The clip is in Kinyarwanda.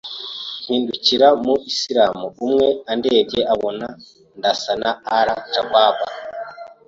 mpingukira ku mu islam umwe andebye abona ndasa na al Shabab